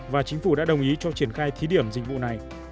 và chính phủ đã đồng ý cho triển khai thí điểm dịch vụ này